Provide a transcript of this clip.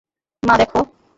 মা, দেখো।